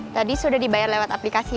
tadi sudah dibayar lewat aplikasi